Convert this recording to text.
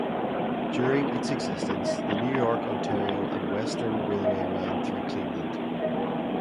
During its existence, the New York Ontario and Western Railway ran through Cleveland.